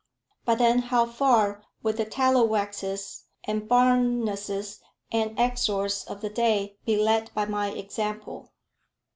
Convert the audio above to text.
But then, how far would the Tallowaxes, and Barneses, and Exors of the day be led by my example?